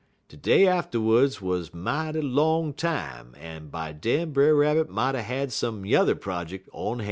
De day atterwuds wuz mighty long time, en by den Brer Rabbit moughter had some yuther projick on han'."